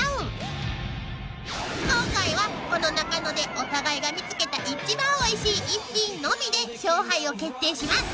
［今回はこの中野でお互いが見つけた一番おいしい逸品のみで勝敗を決定します］